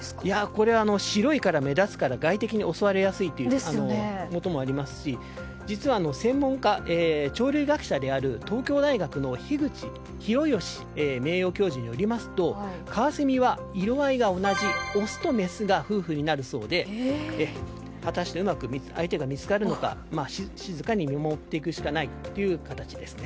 これ、白いから目立つので外敵に襲われやすいということもありますし実は専門家鳥類学者である東京大学の樋口広芳名誉教授によりますとカワセミは色合いが同じオスとメスが夫婦になるそうで果たしてうまく相手が見つかるのか静かに見守っていくしかないという形ですね。